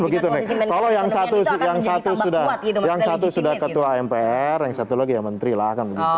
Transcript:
kalau yang satu sudah ketua mpr yang satu lagi ya mentri lah